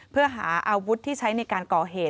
เพื่อหาอาวุธที่ใช้ในการก่อเหตุ